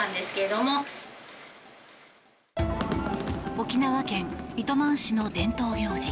沖縄県糸満市の伝統行事